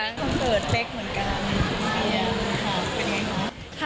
มีคอนเสิร์ตเบลล์เหมือนกันเป็นยังไงค่ะ